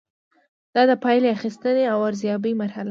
دا د پایلې اخیستنې او ارزیابۍ مرحله ده.